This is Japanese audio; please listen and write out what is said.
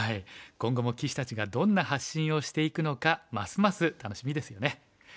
今後も棋士たちがどんな発信をしていくのかますます楽しみですよね。